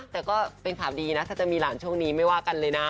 แต่ก็เป็นข่าวดีนะถ้าจะมีหลานช่วงนี้ไม่ว่ากันเลยนะ